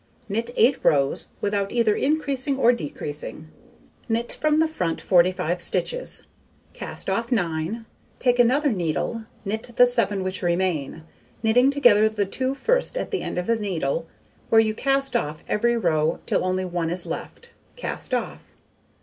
Knit 8 rows, without either increasing or decreasing: knit from the front 45 stitches; cast off 9; take another needle, knit the 7 which remain, knitting together the 2 first at the end of the needle, where you cast off every row till only 1 is left; cast off.